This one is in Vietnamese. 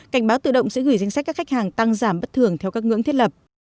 cảnh báo tự động sẽ gửi danh sách các khách hàng tăng giảm bất thường theo các ngưỡng thiết lập